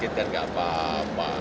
dan tidak apa apa